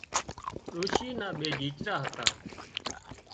ڏوشي نا ٻي ڄيچرا هتا